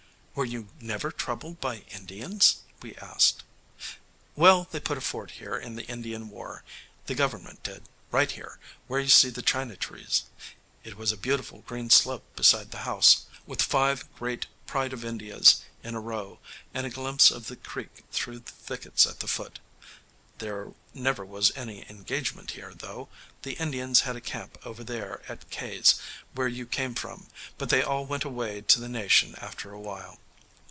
"Were you never troubled by Indians?" we asked. "Well, they put a fort here in the Indian war, the government did right here, where you see the china trees." It was a beautiful green slope beside the house, with five great pride of Indias in a row and a glimpse of the creek through the thickets at the foot. "There never was any engagement here, though. The Indians had a camp over there at K 's, where you came from, but they all went away to the Nation after a while."